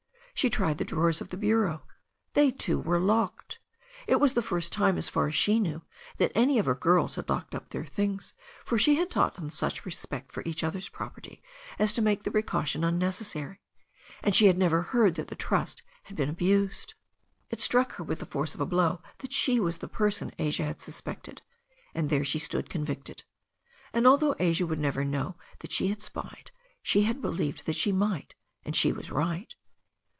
She tried the drawers of the bureau. They, too, were locked. It was the first time, as far as she knew, that any of her girls had locked up tVieir thm^s, for she had taught them such THE STORY OF A NEW ZEALAND RIVER 365 respect for each other's property as to make the precaution unnecessary. And she had never heard that the trust had been abused. It struck her with the force of a blow that she was the person Asia had suspected, and there she stood convicted And although Asia would never know that she had spied, she had believed that she might, and she was right.